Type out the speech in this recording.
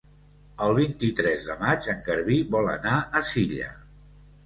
El vint-i-tres de maig en Garbí vol anar a Silla.